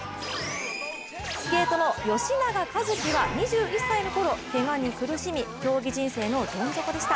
スケートの吉永一貴は２１歳のころ、けがに苦しみ競技人生のどん底でした。